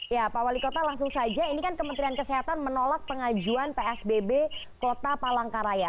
ya pak wali kota langsung saja ini kan kementerian kesehatan menolak pengajuan psbb kota palangkaraya